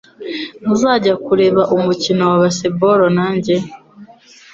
Ntuzajya kureba umukino wa baseball nanjye?